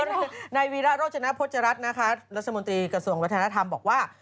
ส่วนในวีล่ารโรจนะพจรรษนะครับรัฐสมนตรีกระทรวงประธานาธรรมบอกว่า